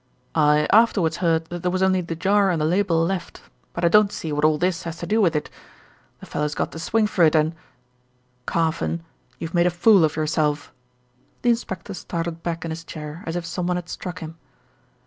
"I afterwards heard that there was only the jar and the label left; but I don't see what all this has to do with it. The fellow's got to swing for it and " "Carfon, you've made a fool of yourself." The inspector started back in his chair as if someone had struck him.